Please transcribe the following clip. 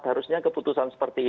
harusnya keputusan seperti ini